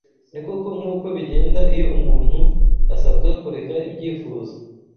Ni koko nk’uko bigenda, iyo umuntu asabwa kureka ibyifuzo